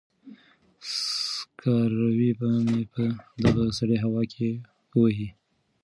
سکاروی به مې په دغه سړه هوا کې ووهي.